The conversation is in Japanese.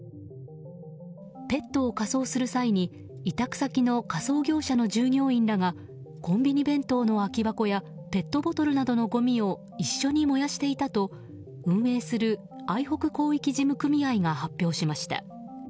ペットを火葬する際に委託先の従業員がコンビニ弁当の空き箱やペットボトルなどのごみを一緒に燃やしていたと、運営する愛北広域事務組合が発表しました。